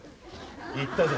行ったぞ。